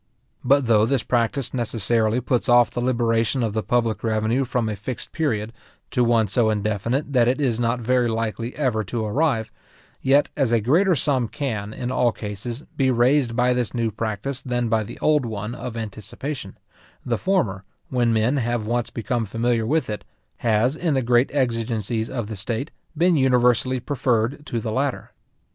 But though this practice necessarily puts off the liberation of the public revenue from a fixed period, to one so indefinite that it is not very likely ever to arrive; yet, as a greater sum can, in all cases, be raised by this new practice than by the old one of anticipation, the former, when men have once become familiar with it, has, in the great exigencies of the state, been universally preferred to the latter.